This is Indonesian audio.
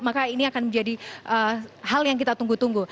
maka ini akan menjadi hal yang kita tunggu tunggu